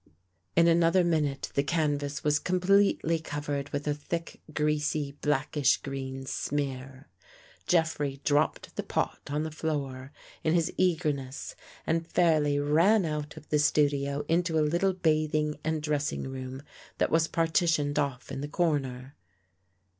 In another minute the canvas was completely covered with a thick greasy, blackish green smear. Jeffrey dropped the pot on the floor in his eagerness and fairly ran out of the studio into a little bathing and dressing room that was partitioned off in the corner.